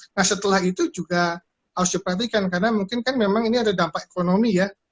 nah setelah itu juga harus diperhatikan karena mungkin kan memang ini ada dampak ekonomi ya